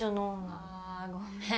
あごめん。